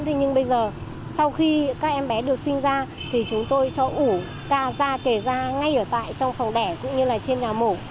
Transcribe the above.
thế nhưng bây giờ sau khi các em bé được sinh ra thì chúng tôi cho ủ ca da kề ra ngay ở tại trong phòng đẻ cũng như là trên nhà mổ